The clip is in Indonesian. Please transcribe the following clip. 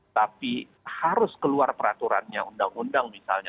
tapi harus keluar peraturannya undang undang misalnya